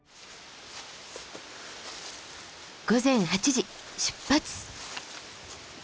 午前８時出発。